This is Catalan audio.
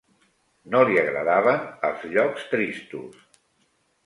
No li agradaven els llocs tristos